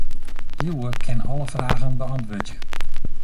Liuwe kin alle fragen beäntwurdzje.